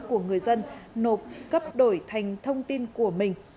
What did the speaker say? của người dân nộp cấp đổi thành thông tin của mình